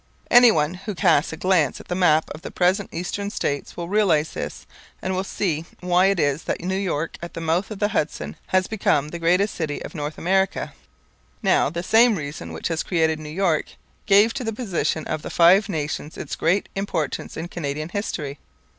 Any one who casts a glance at the map of the present Eastern states will realize this, and will see why it is that New York, at the mouth of the Hudson, has become the greatest city of North America. Now, the same reason which has created New York gave to the position of the Five Nations its great importance in Canadian history.